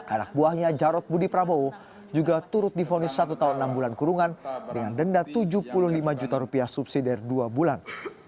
anak buahnya jarod budi prabowo juga turut difonis satu tahun enam bulan kurungan dengan denda tujuh puluh lima juta rupiah subsidi dari dua bulan